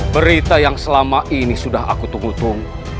berita yang selama ini sudah aku tunggu tunggu